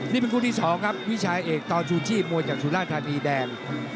นี่เป็นคู่ที่๒ครับวิชาเอกต่อชูชีพมวยจากสุราธานีแดง